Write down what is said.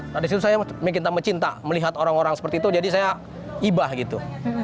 nah disitu saya makin tambah cinta melihat orang orang seperti itu jadi saya ibah gitu